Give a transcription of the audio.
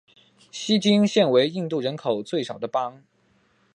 锡金现为印度人口最少的邦。